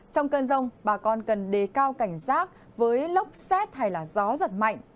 trong cơn rông bà con cần đề cao cảnh giác với lốc xét hay là gió giật mạnh